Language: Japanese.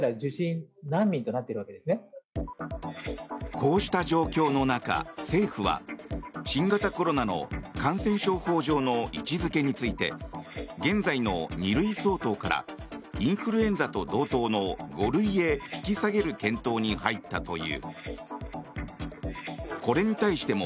こうした状況の中政府は新型コロナの感染症法上の位置付けについて現在の２類相当からインフルエンザと同等の５類へ引き下げる検討に入ったという。